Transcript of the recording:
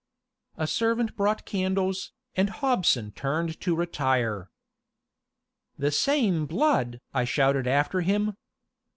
A servant brought candles, and Hobson turned to retire. "The same blood!" I shouted after him.